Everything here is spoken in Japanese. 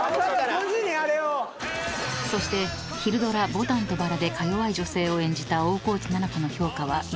朝５時にあれを⁉［そして昼ドラ『牡丹と薔薇』でか弱い女性を演じた大河内奈々子の評価は１］